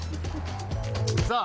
さあ。